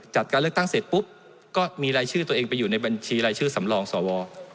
จัดการเลือกตั้งเสร็จปุ๊บก็มีรายชื่อตัวเองไปอยู่ในบัญชีรายชื่อสำรองสว